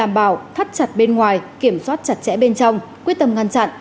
chặt chặt bên ngoài kiểm soát chặt chẽ bên trong quyết tâm ngăn chặn